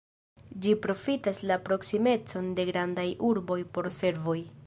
Ĝi profitas la proksimecon de grandaj urboj por servoj.